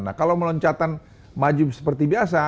nah kalau meloncatan maju seperti biasa